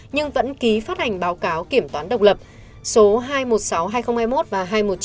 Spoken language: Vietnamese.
nhưng vẫn ký phát hành báo cáo kiểm toán độc lập số hai trăm một mươi sáu hai nghìn hai mươi một và hai trăm một mươi chín hai nghìn hai mươi một